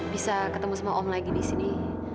bisa ketemu sama om lagi di sini